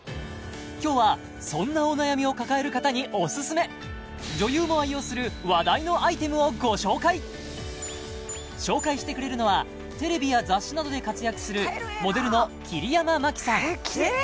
今日はそんなお悩みを抱える方にオススメ女優も愛用する話題のアイテムをご紹介紹介してくれるのはテレビや雑誌などで活躍するモデルの桐山マキさん